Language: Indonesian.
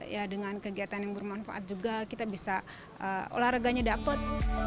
ya dengan kegiatan yang bermanfaat juga kita bisa olahraganya dapat